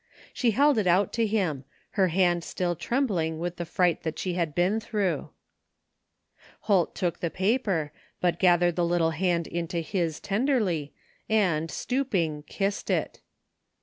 She held it out to him, her hand still trem bling with the fright she had been through. Holt took the paper, but gathered the little hand into his tenderly and, stooping, kissed it.